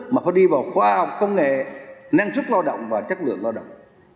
mà phải đi vào khoa học công nghệ năng suất lao động và chất lượng lao động